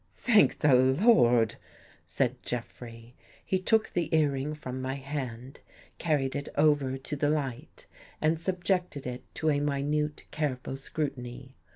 "Thank the Lord! " said Jeffrey. He took the earring from my hand, carried it over to the light and subjected it to a minute, care ful scrutiny.